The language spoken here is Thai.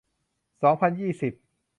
สองพันยี่สิบ